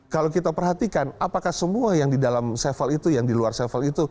kalau kita perhatikan apakah semua yang di dalam sevel itu yang di luar sevel itu